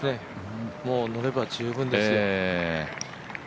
もう、乗れば十分ですよ。